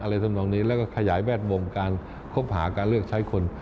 และก็ขยายแบตมุมการคบหาการเลือกใช้คน